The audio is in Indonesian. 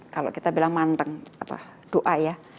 kalau kita bilang manteng apa doa ya